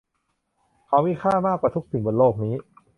เขามีค่ามากกว่าทุกสิ่งบนโลกนี้